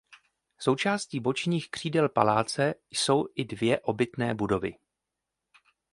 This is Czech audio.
Součástí bočních křídel paláce jsou i dvě obytné budovy.